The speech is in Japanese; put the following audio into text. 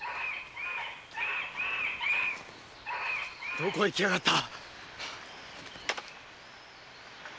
どこへ行きやがった？